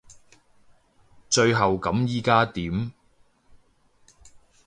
最後咁依家點？